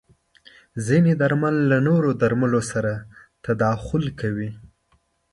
ځینې درمل له نورو درملو سره تداخل کوي.